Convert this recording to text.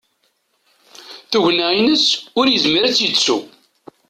Tugna-ines, ur yezmir ad tt-yettu.